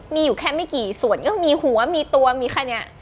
มีอยู่แค่ไม่กี่ส่วนก็มีหัวมีตัวมีใครเนี่ย